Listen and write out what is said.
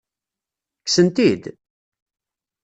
Kksen-t-id?